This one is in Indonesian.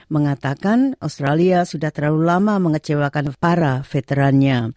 mengatakan australia sudah terlalu lama mengecewakan para veterannya